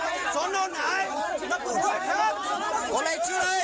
ขอเลยชื่อเลย